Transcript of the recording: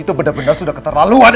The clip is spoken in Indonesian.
itu bener bener sudah keterlaluan elsa